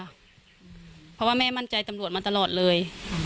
เพราะว่าแม่มั่นใจตำรวจมาตลอดเลย